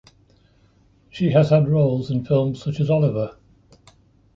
She has had roles in films such as Oliver!